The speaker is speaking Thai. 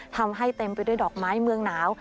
ทำให้เต็มไปด้วยดอกไม้เมืองหนาว